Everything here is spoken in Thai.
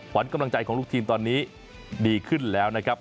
ขวัญกำลังใจของลูกทีมตอนนี้ดีขึ้นแล้วนะครับ